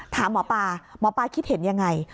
ถามหมอปลาหมอปลาคิดเห็นยังไง